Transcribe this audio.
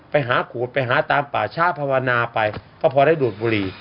ขูดไปหาตามป่าช้าภาวนาไปก็พอได้ดูดบุหรี่